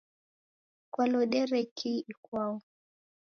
Kwalodere kii ikwau?